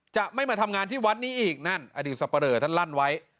จะไม่มาทำงานที่วัดนี้อีกนั่นอดีตสับปะเลอท่านลั่นไว้